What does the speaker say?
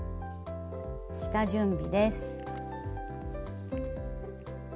下準備です。